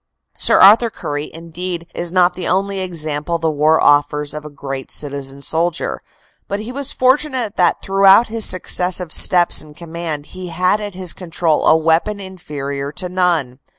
Sir Arthur Currie, indeed, is not the only example the war offers of a great citizen soldier, but he was fortunate that throughout his successive steps in command he had at his con trol a weapon inferior to none.